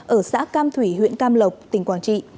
ở xã cam thủy huyện cam lộc tỉnh quảng trị